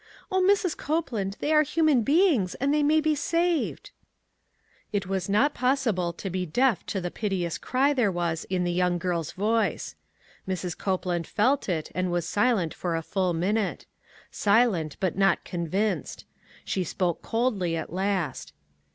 O, Mrs. Copeland, they are human beings, and they may be saved !" It was not possible to be deaf to the piteous cry there was in the young girl's voice. Mrs. Copeland felt it and was si lent for a full minute. Silent but not con vinced. She spoke coldly at last.